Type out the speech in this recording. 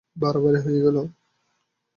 বাড়াবাড়ি হয়ে গেল?